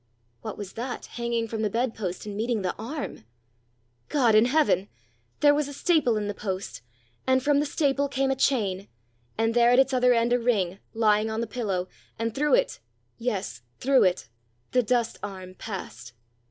What was that hanging from the bedpost and meeting the arm? God in heaven! there was a staple in the post, and from the staple came a chain! and there at its other end a ring, lying on the pillow! and through it yes through it, the dust arm passed!